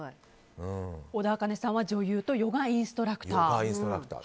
小田茜さんは女優とヨガインストラクター。